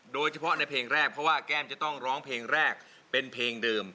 โดยเฉพาะในเพลงแรกเพราะว่าแก้มจะต้องร้องเพลงแรกเป็นเพลงเดิม